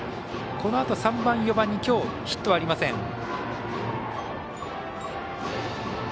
このあと３番、４番にきょうヒットはありません。